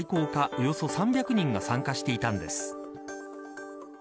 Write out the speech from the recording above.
およそ３００人が参加していたんです。